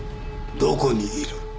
どこにいる？